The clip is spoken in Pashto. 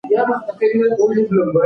تعليم شوې نجونې تفاهم هڅوي.